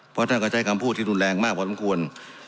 เพราะฉะนั้นก็ใช้คำพูดที่รุนแรงมากพอทำกว่า